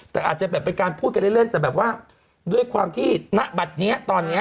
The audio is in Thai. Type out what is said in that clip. แต่อาจจะแบบเป็นการพูดกันเล่นแต่แบบว่าด้วยความที่ณบัตรนี้ตอนนี้